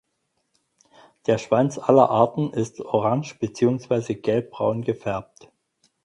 Der Schwanz aller Arten ist orange beziehungsweise gelbbraun gefärbt.